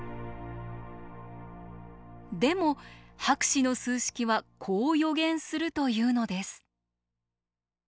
でも博士の数式はこう予言するというのです。